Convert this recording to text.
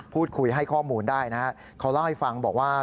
พูดคุยให้ข้อมูลได้นะฮะเขาเล่าให้ฟังบอกว่า